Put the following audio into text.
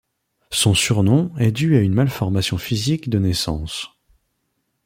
Son surnom est dû à une malformation physique de naissance.